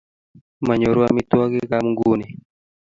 manyoru amitwogikab nguni